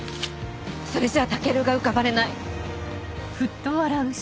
それじゃあ武尊が浮かばれない。